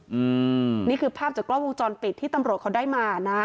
อืมนี่คือภาพจากกล้องวงจรปิดที่ตำรวจเขาได้มานะ